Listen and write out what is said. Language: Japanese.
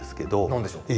何でしょう？